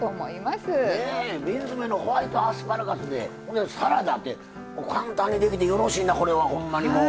瓶詰のホワイトアスパラガスでサラダって簡単にできてよろしいなこれはほんまにもう。